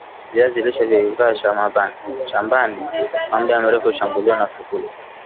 viazi lishe vikikaa shamaban kwa mda meru hushambuliwa na fukuzi